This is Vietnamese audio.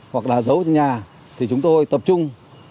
hoặc là giấu ở trên rừng